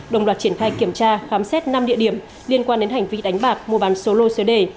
đồng loạt triển khai kiểm tra khám xét năm địa điểm liên quan đến hành vi đánh bạc mua bán số lô số đề